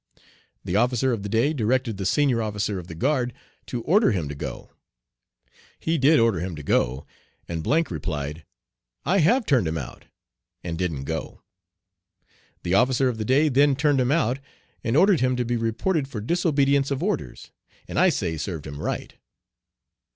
The officer of the day directed the senior officer of the guard to order him to go. He did order him to go and replied, "I have turned him out," and didn't go. The officer of the day then turned him out, and ordered him to be reported for disobedience of orders, and I say served him right."